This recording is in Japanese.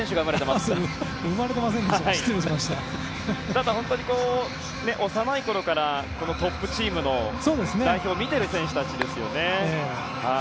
ただ、幼いころからトップチームの代表を見ている選手たちですよね。